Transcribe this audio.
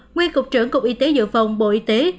nguyên cục trưởng cục y tế dự phòng bộ y tế